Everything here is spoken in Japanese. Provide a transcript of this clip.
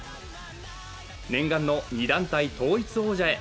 念願の２団体統一王者へ。